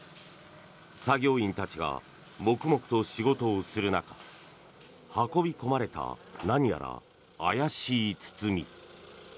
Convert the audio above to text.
作業員たちが黙々と仕事をする中運び込まれた何やら怪しい包み。